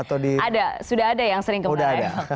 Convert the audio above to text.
oh iya sudah ada yang sering ke menara eiffel